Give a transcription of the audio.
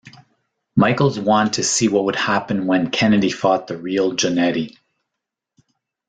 Michaels wanted to see what would happen when Kennedy fought the real Jannetty.